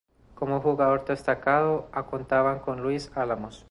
Como jugador destacado contaban con Luis Álamos.